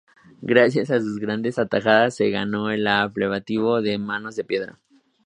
Gracias a sus grandes atajadas, se ganó el apelativo de "Manos de piedra".